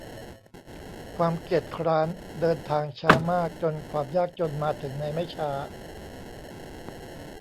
ความเกียจคร้านเดินทางช้ามากจนความยากจนมาถึงในไม่ช้า